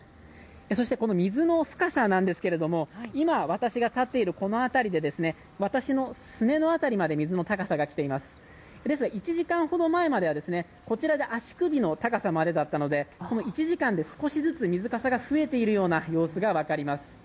そして水の深さなんですけれども今、私が立っているこの辺りで私のすねの辺りまで水の高さが来ていますが１時間ほど前までは足首の高さまでだったのでこの１時間で少しずつ、水かさが増えているような様子が分かります。